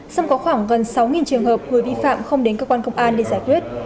xong có khoảng gần sáu trường hợp người vi phạm không đến cơ quan công an để giải quyết